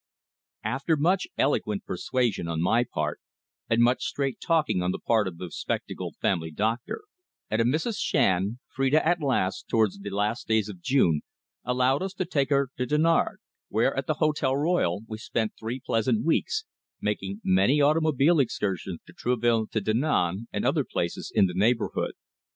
After much eloquent persuasion on my part, and much straight talking on the part of the spectacled family doctor, and of Mrs. Shand, Phrida at last, towards the last days of June, allowed us to take her to Dinard, where, at the Hotel Royal, we spent three pleasant weeks, making many automobile excursions to Trouville, to Dinan, and other places in the neighbourhood.